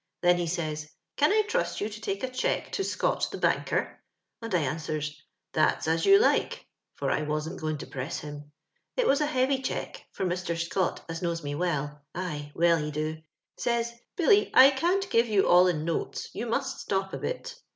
Then ho says, * Can I trust you to toko a cheque to Scott, tlio banker? ' and I answers, * That's as you like,' for I wasn't going to press him. It was a heavy cheque, for Mr. Scott, as knows me well — aye, well, ho do — says * Billy, I can't give you all in notes, you must stop a bit.'